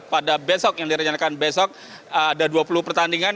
pada besok yang direncanakan besok ada dua puluh pertandingan